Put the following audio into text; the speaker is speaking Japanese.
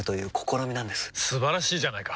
素晴らしいじゃないか！